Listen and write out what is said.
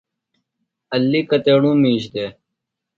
علی کتیݨوۡ مِیش دےۡ؟